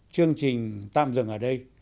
chương trình tạm dừng ở đây